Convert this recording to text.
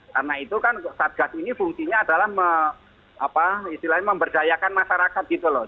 karena itu kan saat gas ini fungsinya adalah apa istilahnya memberdayakan masyarakat gitu loh